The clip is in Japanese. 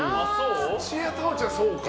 土屋太鳳ちゃん、そうか。